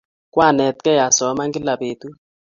Kwanetkey asoman kila petut